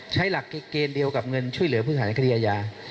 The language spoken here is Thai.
หลักเกณฑ์เดียวกับเงินช่วยเหลือพื้นฐานคดีอาญา